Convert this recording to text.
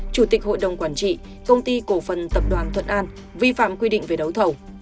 chủ tịch hội đồng quản trị công ty cổ phần tập đoàn thuận an vi phạm quy định về đấu thầu